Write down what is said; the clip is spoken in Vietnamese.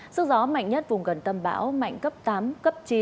sức gió mạnh nhất vùng gần tâm bão mạnh cấp tám cấp chín